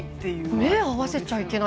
目を合わせちゃいけない。